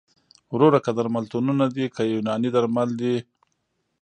وروره که درملتونونه دي که یوناني درمل دي